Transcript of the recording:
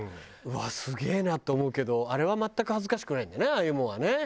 「うわっすげえな」って思うけどあれは全く恥ずかしくないんだよねああいうもんはね。